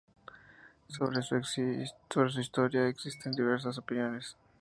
Sobre su historia, existen diversas opiniones.